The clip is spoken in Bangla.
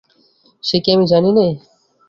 সে কি আমি জানি নে।